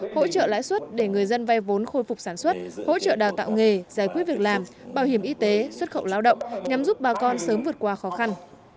hỗ trợ lãi suất để người dân vay vốn khôi phục sản xuất hỗ trợ đào tạo nghề giải quyết việc làm bảo hiểm y tế xuất khẩu lao động nhằm giúp bà con sớm vượt qua khó khăn